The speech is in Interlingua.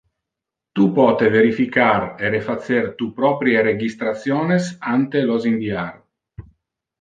Tu pote verificar e refacer tu proprie registrationes ante los inviar.